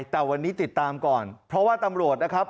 แต่วันนี้ติดตามก่อนเพราะว่าตำรวจนะครับ